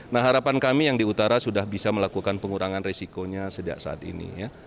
nah harapan kami yang di utara sudah bisa melakukan pengurangan risikonya sejak saat ini ya